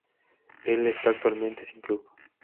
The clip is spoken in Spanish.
Él está actualmente sin club.